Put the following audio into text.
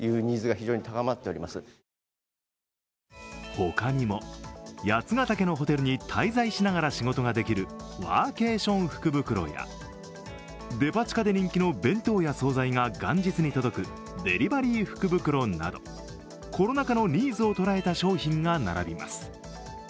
他にも、八ヶ岳のホテルに滞在しながら仕事ができるワーケーション福袋やデパ地下で人気の弁当や総菜が元日に届くデリバリー福袋など、コロナ禍のニーズを捉えた商品が並びます。